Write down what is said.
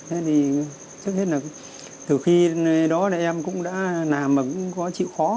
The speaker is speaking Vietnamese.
thế thì trước hết là từ khi đó là em cũng đã làm mà cũng có chịu khó